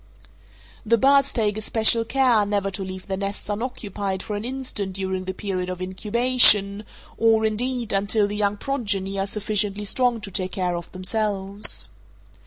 The birds take especial care never to leave their nests unoccupied for an instant during the period of incubation, or, indeed, until the young progeny are sufficiently strong to take care of themselves.